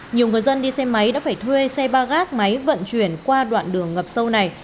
nhiều người dân đi xe máy đã phải thuê xe ba gác máy vận chuyển qua đoạn đường ngập sâu này